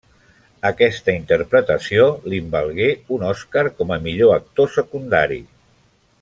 Aquesta interpretació li'n valgué un Oscar com a Millor Actor Secundari.